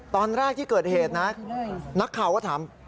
ตอนแรกที่เกิดเหตุนะนักข่าวก็ถาม